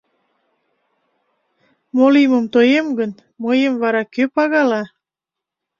Мо лиймым тоем гын, мыйым вара кӧ пагала?